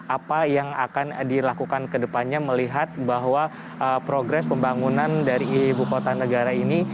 apa yang akan dilakukan kedepannya melihat bahwa progres pembangunan dari ibu kota negara ini